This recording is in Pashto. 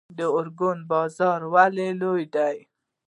ارګون بازار ولې لوی دی؟